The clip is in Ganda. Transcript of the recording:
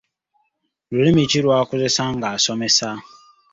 Lulimi ki lw’akozesa ng’asomesa?